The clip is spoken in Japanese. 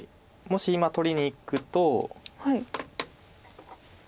もし今取りにいくと。